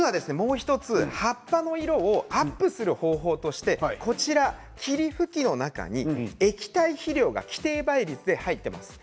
葉っぱの色をアップする方法として霧吹きの中に液体肥料が規定倍率で入っています。